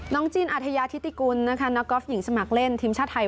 จีนอัธยาธิติกุลนะคะนักกอล์ฟหญิงสมัครเล่นทีมชาติไทย